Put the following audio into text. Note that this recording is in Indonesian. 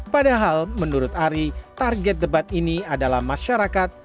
padahal menurut ari target debat ini adalah masyarakat